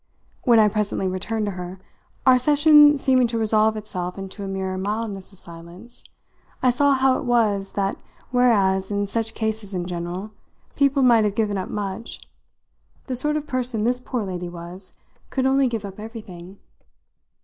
When I presently returned to her our session seeming to resolve itself into a mere mildness of silence I saw how it was that whereas, in such cases in general, people might have given up much, the sort of person this poor lady was could only give up everything.